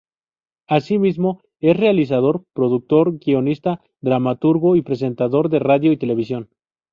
Asimismo, es realizador, productor, guionista, dramaturgo y presentador de radio y televisión.